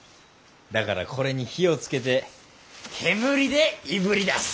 だからこれに火をつけて煙でいぶり出す。